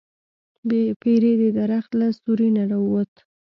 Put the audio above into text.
پیری د درخت له سوری نه راووت.